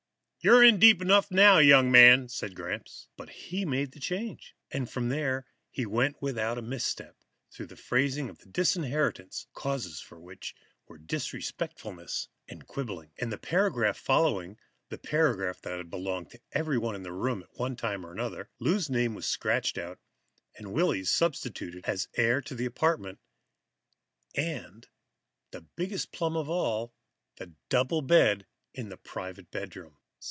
You're in deep enough now, young man," said Gramps, but he made the change. And, from there, he went without a misstep through the phrasing of the disinheritance, causes for which were disrespectfulness and quibbling. In the paragraph following, the paragraph that had belonged to everyone in the room at one time or another, Lou's name was scratched out and Willy's substituted as heir to the apartment and, the biggest plum of all, the double bed in the private bedroom.